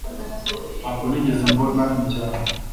Ntabwo nigeze mbona injyana